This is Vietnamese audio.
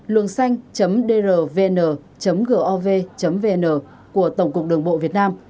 luongsanh drvn gov vn của tổng cục đường bộ việt nam